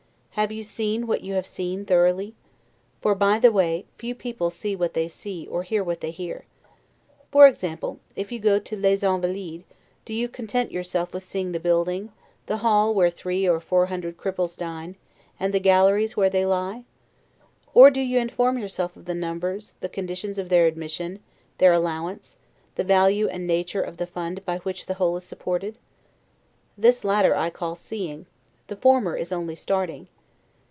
Have you seen what you have seen thoroughly? For, by the way, few people see what they see, or hear what they hear. For example, if you go to les Invalides, do you content yourself with seeing the building, the hall where three or four hundred cripples dine, and the galleries where they lie? or do you inform yourself of the numbers, the conditions of their admission, their allowance, the value and nature of the fund by which the whole is supported? This latter I call seeing, the former is only starting.